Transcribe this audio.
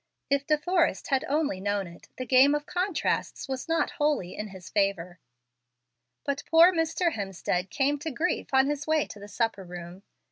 If De Forrest had only known it, the game of contrasts was not wholly in his favor. But poor Mr. Hemstead came to grief on his way to the supper room.